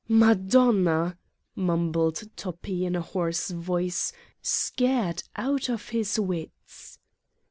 "Madonna!" mumbled Toppi in a hoarse voice, scared out of his wits.